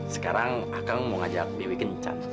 sekarang akan mengajak dewi ke ngencan